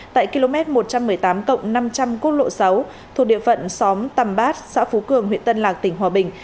tại km một trăm một mươi tám năm trăm linh quốc lộ sáu thuộc địa phận xóm tầm bát xã phú cường huyện tân lạc tỉnh hòa bình